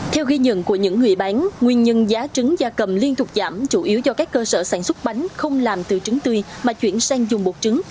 theo ghi nhận của những người bán nguyên nhân giá trứng da cầm liên tục giảm chủ yếu do các cơ sở sản xuất bánh không làm từ trứng tươi mà chuyển sang dùng bột trứng